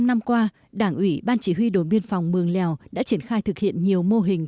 năm năm qua đảng ủy ban chỉ huy đồn biên phòng mường lèo đã triển khai thực hiện nhiều mô hình